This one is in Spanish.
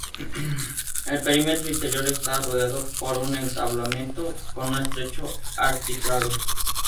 El perímetro interior está rodeado por un entablamento, con un estrecho arquitrabe.